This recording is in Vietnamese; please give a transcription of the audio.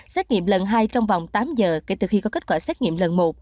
xét nghiệm lần hai trong vòng tám giờ kể từ khi có kết quả xét nghiệm lần một